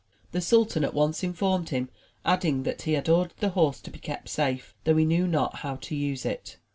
The sultan at once informed him; adding that he had ordered the horse to be kept safe, though he knew not how to use it.